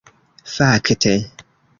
Fakte...